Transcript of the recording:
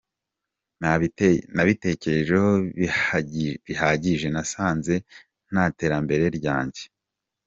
Nabitekerejeho bihagije nasanze nta terambere ryanjye.